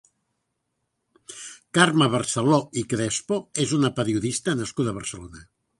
Carme Barceló i Crespo és una periodista nascuda a Barcelona.